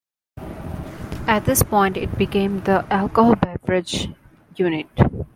At this point it became the "Alcohol Beverage Unit".